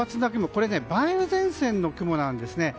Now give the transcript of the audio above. これ、梅雨前線の雲なんですね。